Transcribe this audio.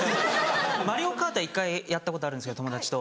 『マリオカート』は１回やったことあるんです友達と。